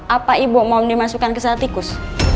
apa ibu mau dimasukkan ke saat tikus